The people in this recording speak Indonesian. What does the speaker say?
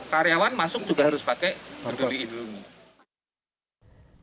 karyawan masuk juga harus pakai peduli lindungi